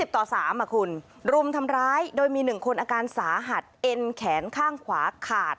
รุมทำร้ายโดยมี๑คนอาการสาหัสเอ็นแขนข้างขวาขาด